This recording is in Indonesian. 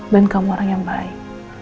dan kamu orang yang baik